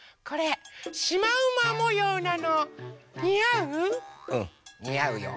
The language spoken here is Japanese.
これシマウマもようなの！にあう？